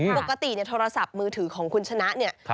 ปกติเนี่ยโทรศัพท์มือถือของคุณชนะเนี่ย